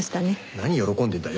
何喜んでるんだよ！